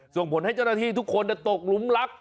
ส่งผลให้เจ้าหน้าที่ทุกคนตกหลุมลัก